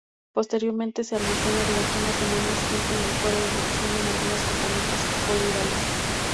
Posteriormente se almacena durante unas semanas, tiempo en el cual evolucionan algunos componentes coloidales.